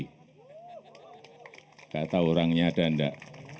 tidak tahu orangnya ada atau tidak